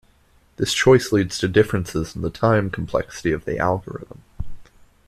This choice leads to differences in the time complexity of the algorithm.